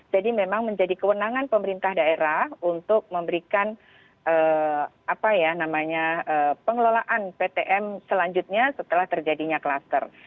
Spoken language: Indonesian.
jadi memang menjadi kewenangan pemerintah daerah untuk memberikan pengelolaan ptm selanjutnya setelah terjadinya klaster